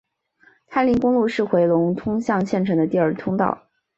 太临公路是回龙通向县城的第二通道。